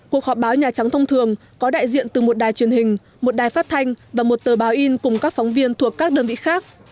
cuộc họp báo nhà trắng thông thường có đại diện từ một đài truyền hình một đài phát thanh và một tờ báo in cùng các phóng viên thuộc các đơn vị khác